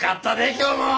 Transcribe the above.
今日も。